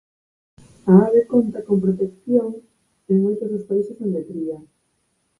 A ave conta con protección en moitos dos países onde cría.